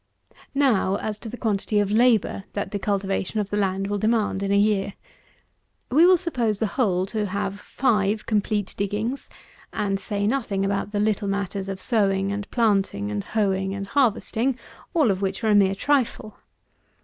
133. Now, as to the quantity of labour that the cultivation of the land will demand in a year. We will suppose the whole to have five complete diggings, and say nothing about the little matters of sowing and planting and hoeing and harvesting, all which are a mere trifle.